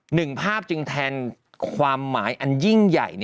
หนึ่งภาพจึงแทนความหมายอันยิ่งใหญ่